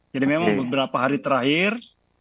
jadi memang beberapa hari terakhir